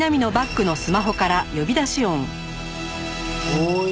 おい！